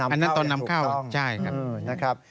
อันนั้นต้องนำเข้าใช่ครับ